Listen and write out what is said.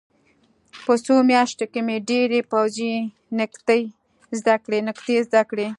په څو میاشتو کې مې ډېرې پوځي نکتې زده کړې